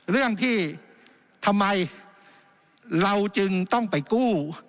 เรื่องที่ทำไมเราจึงต้องไปกู้